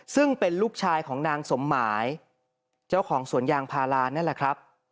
ซึ่งเป็นลูกชายของนางสมหมายเจ้าของสวนยางพารานั่นแหละครับ